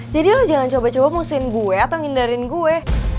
jadi lo jangan coba coba musuhin gue atau ngindarin gue